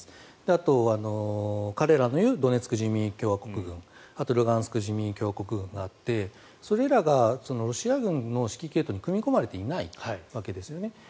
あと、彼らの言うドネツク人民共和国軍あとルガンスク人民共和国軍があってそれらがロシア軍の指揮系統に組み込まれていないわけですね。